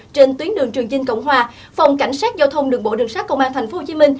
trên tuyến đường trường chinh cộng hòa phòng cảnh sát giao thông đường bộ đường sát công an tp hcm